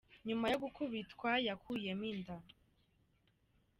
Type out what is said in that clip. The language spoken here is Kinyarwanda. Nyuma yo gukubitwa, yakuyemo inda